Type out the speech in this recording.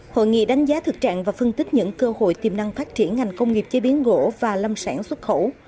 hội nghị đánh giá thực trạng và phân tích những cơ hội tiềm năng phát triển ngành công nghiệp chế biến gỗ và lâm sản xuất khẩu